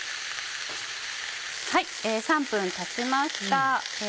３分たちました。